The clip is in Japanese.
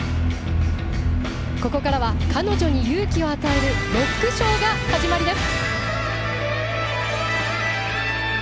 ここからは彼女に勇気を与えるロックショーが始まります！